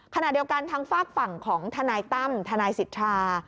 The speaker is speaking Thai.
ขณะเดียวกันทางฝากฝั่งของทนายตั้มทนายสิทธา